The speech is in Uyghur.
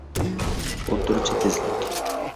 ئوتتۇرىچە تېزلىك